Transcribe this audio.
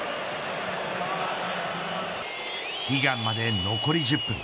悲願まで残り１０分。